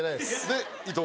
で伊藤。